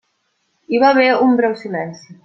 Hi va haver un breu silenci.